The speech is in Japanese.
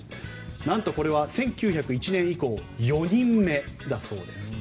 何とこれは１９０１年以降４人目だそうです。